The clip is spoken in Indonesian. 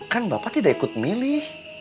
kan bapak tidak ikut milih